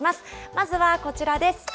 まずはこちらです。